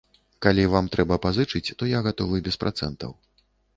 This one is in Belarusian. Калі вам трэба пазычыць, то я гатовы без працэнтаў.